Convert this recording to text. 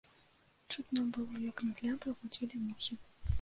Чутно было, як над лямпай гудзелі мухі.